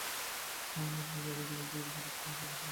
ইবনে জারীরের এ বক্তব্যটি সঠিক হওয়ার সম্ভাবনা রয়েছে।